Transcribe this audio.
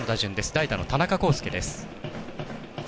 代打の田中広輔です。